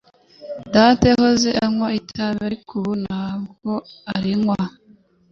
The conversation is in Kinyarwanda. Data yahoze anywa itabi ariko ubu ntabwo arinywa